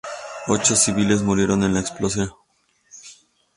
Ocho civiles murieron en la explosión.